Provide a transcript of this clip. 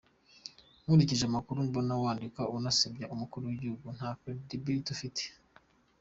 Nkurikije amakuru mbona wandika unasebya umukuru w’igihugu, nta credibility ufite!